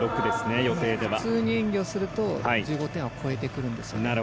普通に演技をすると１５点を超えてくるんですね。